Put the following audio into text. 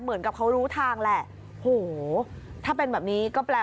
มันกลับมาที่สุดท้ายแล้วมันกลับมาที่สุดท้ายแล้ว